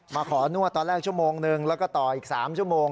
ขอนวดตอนแรกชั่วโมงนึงแล้วก็ต่ออีก๓ชั่วโมง